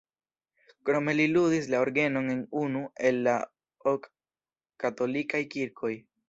Krome li ludis la orgenon en unu el la ok katolikaj kirkoj.